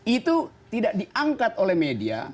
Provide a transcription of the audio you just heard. itu tidak diangkat oleh media